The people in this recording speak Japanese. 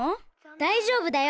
だいじょうぶだよ。